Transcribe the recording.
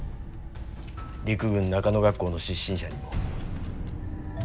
陸軍中野学校の出身者にも。